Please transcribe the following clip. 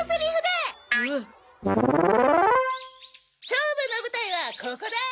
勝負の舞台はここだ！